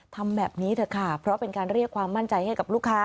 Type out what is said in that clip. ทำแบบนี้เถอะค่ะเพราะเป็นการเรียกความมั่นใจให้กับลูกค้า